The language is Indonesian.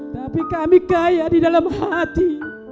tapi kami kaya di dalam hati